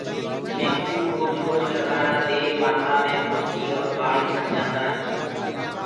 شيمپو روج روج لگآرآ دي مآٿآ مي کُشڪي اور ٻآݪ ڇڻدآ هينٚ۔